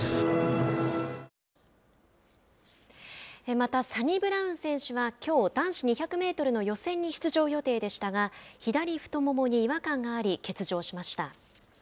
また、サニブラウン選手はきょう男子２００メートルの予選に出場予定でしたが左太ももに違和感があり欠場しました。